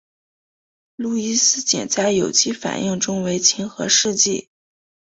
路易斯碱在有机反应中为亲核试剂。